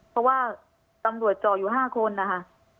เพราะว่าตำรวจจ่ออยู่๕คนนะคะ